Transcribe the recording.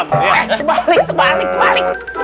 eh kembali kembali kembali